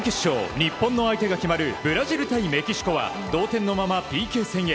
日本の相手が決まるブラジル対メキシコは同点のまま、ＰＫ戦へ。